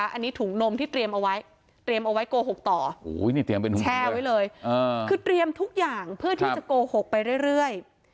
อันนี้ถุงนมที่เตรียมเอาไว้เตรียมเอาไว้โกหกต่อแช่ไว้เลยคือเตรียมทุกอย่างเพื่อที่จะโกหกไปเรื่อย